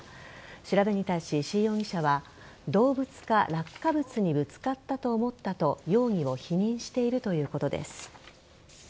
調べに対し、石井容疑者は動物か落下物にぶつかったと思ったと容疑を否認しているということです。